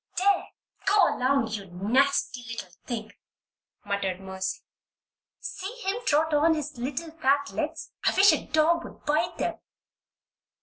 "There! go along, you nasty little thing!" muttered Mercy. "See him trot on his little fat legs. I wish a dog would bite 'em!"